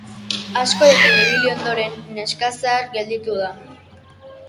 Askorekin ibili ondoren, neskazahar gelditu da.